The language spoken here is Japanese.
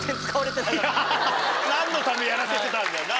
ハハハ何のためやらせてたんだよな？